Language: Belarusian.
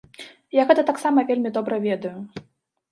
Я гэта таксама вельмі добра ведаю.